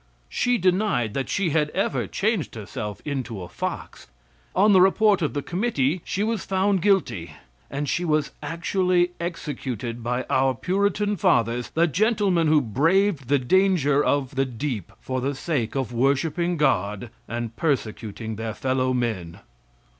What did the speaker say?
She denied that she had ever changed herself into a fox. On the report of the committee she was found guilty, and she was actually executed by our Puritan fathers, the gentlemen who braved the danger of the deep for the sake of worshiping God and persecuting their fellow men.